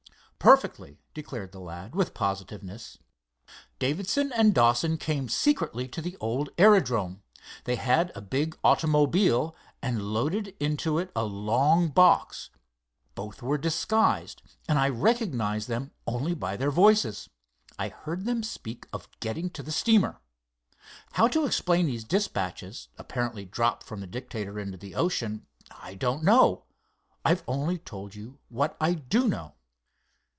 "Perfectly," declared the lad, with positiveness. "Davidson and Dawson came secretly to the old aerodrome. They had a big automobile, and loaded into it a long box. Both were disguised, and I recognized them only by their voices. I heard them speak of getting to the steamer. How to explain these dispatches, apparently dropped from the Dictator into the ocean, I don't know. I've only told you what I do know."